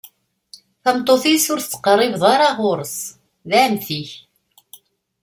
Tameṭṭut-is, ur tettqerribeḍ ara ɣur-s: D ɛemmti-k.